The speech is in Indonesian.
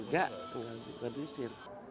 nggak nggak diusir